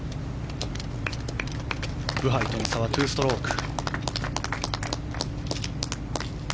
ブハイとの差は２ストローク。